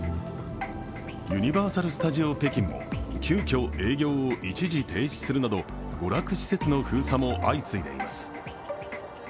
ユニバーサル・スタジオ・北京も急きょ、営業を一時停止するなど娯楽施設の封鎖も相次いでいます。